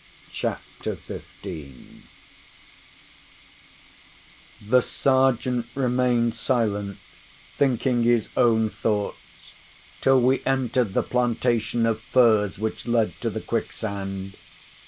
CHAPTER XV The Sergeant remained silent, thinking his own thoughts, till we entered the plantation of firs which led to the quicksand.